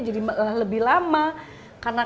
jadi lebih lama karena